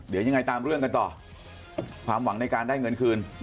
เดี๋ยวยังไงตามเรื่องกันต่อความหวังในการได้เงินคืน